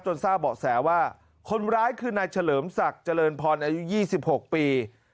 ทราบเบาะแสว่าคนร้ายคือนายเฉลิมศักดิ์เจริญพรอายุ๒๖ปี